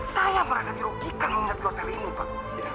saya merasa dirogikan mengingat hotel ini pak